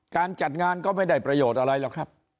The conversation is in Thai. การจัดงานก็ไม่ได้ประโยชน์อะไรหรอกครับ